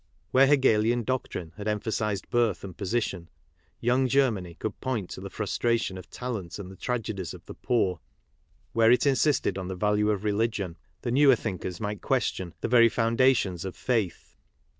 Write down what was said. Where Hegelian doctrine had empliasized birth and position, Young Germany could point to the frustration of talent and the tragedies of the poor. Where it insisted on the value of religion, the newer thinkers might question the very foundation's of faith.